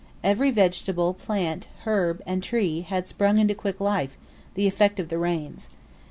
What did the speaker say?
Every vegetable, plant, herb and tree, had sprung into quick life the effect of the rains.